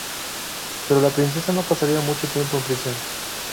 Pero la Princesa no pasaría mucho tiempo en prisión.